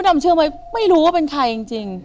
ไม่รู้ว่าเป็นใครจริง